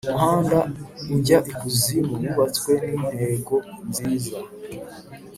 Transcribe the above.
umuhanda ujya ikuzimu wubatswe nintego nziza